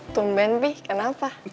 tumben pi kenapa